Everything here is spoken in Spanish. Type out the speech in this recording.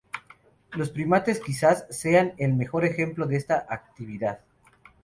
Los primates quizás sean el mejor ejemplo de esta actividad.